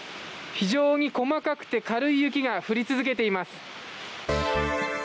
非常に細かくて軽い雪が降り続けています。